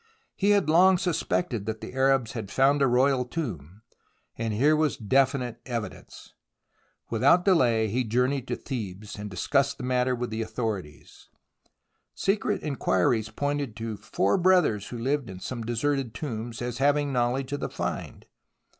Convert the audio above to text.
He had long suspected that the Arabs had found a royal tomb, and here was definite evidence. Without delay he journeyed to Thebes, and discussed the matter with the authorities. 6 82 THE ROMANCE OF EXCAVATION Secret inquiries pointed to four brothers, who Uved in some deserted tombs, as having knowledge of the find.